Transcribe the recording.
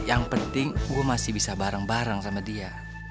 yang penting gue masih bisa bareng bareng sama dia